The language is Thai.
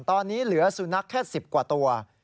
ตอนนี้เหลือสุนัขแค่๑๐กว่าตัว